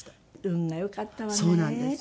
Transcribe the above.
運がよかったわね